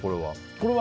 これは。